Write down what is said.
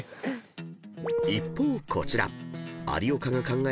［一方こちら］